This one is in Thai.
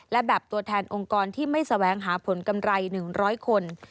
และแบบตัวแทนองค์กรที่ไม่แสวงหาผลกำไร๑๐๐คน